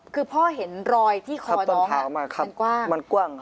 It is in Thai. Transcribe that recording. คือพ่อเห็นรอยที่คอน้องมันกว้าง